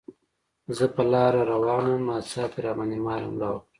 زه په لاره روان وم، ناڅاپي راباندې مار حمله وکړه.